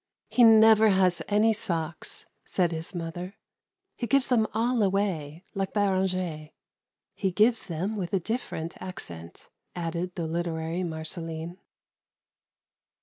"He never has any socks," said his mother; "he gives them all away, like Beranger." "He gives them with a different accent," added the literary Marceline.